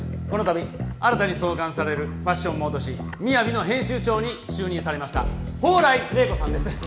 このたび新たに創刊されるファッションモード誌「ＭＩＹＡＶＩ」の編集長に就任されました宝来麗子さんです